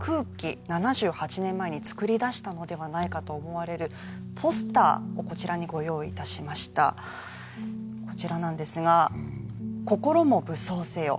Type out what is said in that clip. ７８年前につくり出したのではないかと思われるポスターをこちらにご用意いたしましたこちらなんですがうん「心も武装せよ」